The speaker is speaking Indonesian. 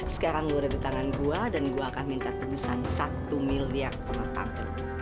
sekarang gore di tangan gua dan gua akan minta tebusan satu miliar sama tante